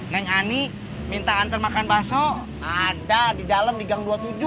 neng ani minta antar makan baso ada di dalam di gang dua puluh tujuh